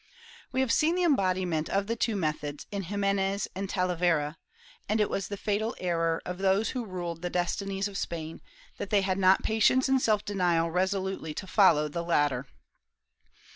We have seen the embodiment of the two methods in Ximenes and Talavera, and it was the fatal error of those who ruled the destinies of Spain that they had not patience and self denial resolutely to follow the latter.